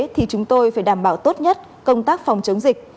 thì chúng tôi phải đảm bảo tốt nhất công tác phòng chống dịch